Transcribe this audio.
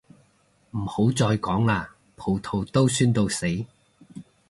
唔好再講喇，葡萄到酸到死